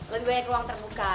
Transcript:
lebih banyak ruang terbuka